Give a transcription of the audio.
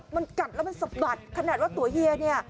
มันกัดแล้วมันสะบัดขนาดว่าตัวเฮียเนี่ย